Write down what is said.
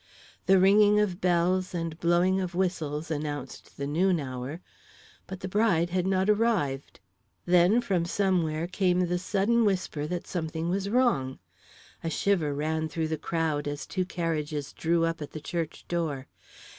The ringing of bells and blowing of whistles announced the noon hour, but the bride had not arrived. Then, from somewhere, came the sudden whisper that something was wrong. A shiver ran through the crowd as two carriages drew up at the church door.